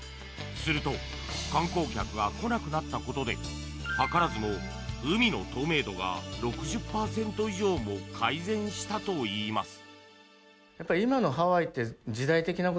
すると、観光客が来なくなったことで図らずも海の透明度が６０％以上も改善したといいます。